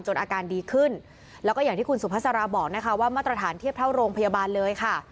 อาการดีขึ้นแล้วก็อย่างที่คุณสุภาษาราบอกนะคะว่ามาตรฐานเทียบเท่าโรงพยาบาลเลยค่ะ